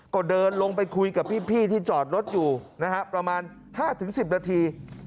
ก็เดินลงไปคุยกับพี่ที่จอดรถอยู่นะฮะประมาณ๕๑๐นาที